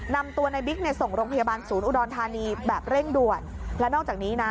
นำตัวในบิ๊กเนี่ยส่งโรงพยาบาลศูนย์อุดรธานีแบบเร่งด่วนและนอกจากนี้นะ